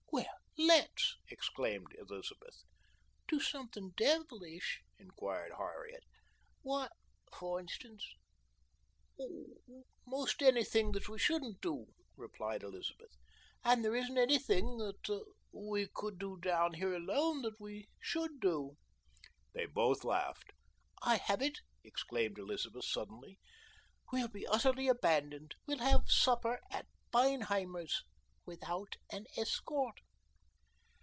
"Well, let's!" exclaimed Elizabeth. "Do something devilish?" inquired Harriet. "What, for instance?" "Oh, 'most anything that we shouldn't do," replied Elizabeth, "and there isn't anything that we could do down here alone that we should do." They both laughed. "I have it!" exclaimed Elizabeth suddenly. "We'll be utterly abandoned we'll have supper at Feinheimer's without an escort."